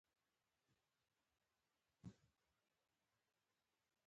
حسېن بلاڼي یو اغېزمن بېټسمېن وو.